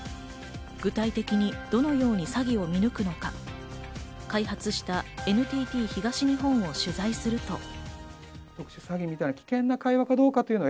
具体的にどのように詐欺を見抜くのか、開発したＮＴＴ東日本を取材すると。